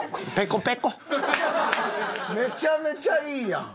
めちゃめちゃいいやん。